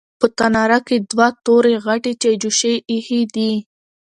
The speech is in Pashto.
په تناره کې دوه تورې غټې چايجوشې ايښې وې.